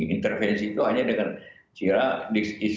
intervensi itu hanya dengan cira disinfektan atau sterilisasi